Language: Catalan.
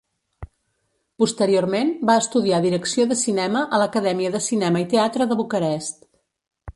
Posteriorment, va estudiar direcció de cinema a l'Acadèmia de Cinema i Teatre de Bucarest.